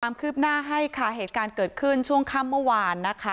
ความคืบหน้าให้ค่ะเหตุการณ์เกิดขึ้นช่วงค่ำเมื่อวานนะคะ